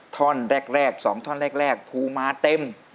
ท่อนแรก๒ท่อนแรกภูมาเต็ม